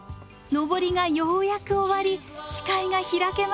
登りがようやく終わり視界が開けます。